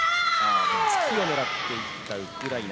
突きを狙っていったウクライナ。